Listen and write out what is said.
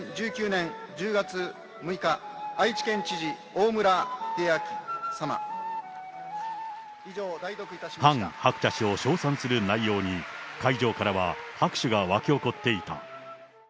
２０１９年１０月６日、愛知県知事、ハン・ハクチャ氏を称賛する内容に、会場からは拍手が沸き起こっていた。